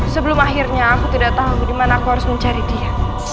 sebelum akhirnya aku tidak tahu di mana aku harus mencari dia